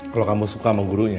kalau kamu suka sama gurunya